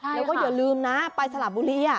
แล้วก็อย่าลืมนะไปสละบุรี